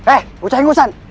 eh bucai ngusan